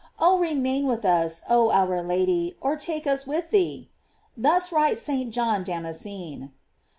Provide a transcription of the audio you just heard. Oh remain with us, oh our Lady ! or take us with thee. Thus writes St. John Damascene.